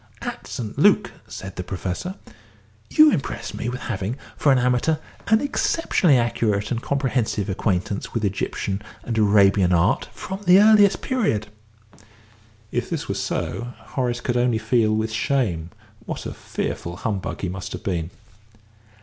"At St. Luc," said the Professor, "you impressed me as having, for an amateur, an exceptionally accurate and comprehensive acquaintance with Egyptian and Arabian art from the earliest period." (If this were so, Horace could only feel with shame what a fearful humbug he must have been.)